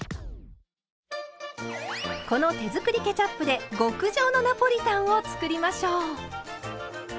この手作りケチャップで極上のナポリタンを作りましょう。